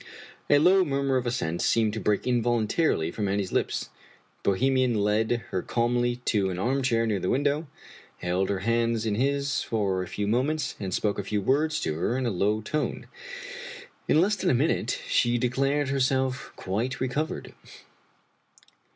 A low murmur of assent seemed to break involuntarily from Annie's lips. The Bohemian led her calmly to an armchair near the window, held her hands in his for a few moments, and spoke a few words to her in a low tone. In less than a minute she declared herself quite recovered.